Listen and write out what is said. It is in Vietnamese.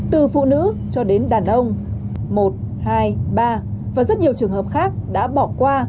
từ phụ nữ cho đến đàn ông một hai ba và rất nhiều trường hợp khác đã bỏ qua